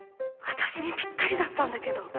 私にピッタリだったんだけど！